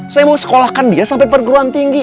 saya mau sekolahkan dia sampai perguruan tinggi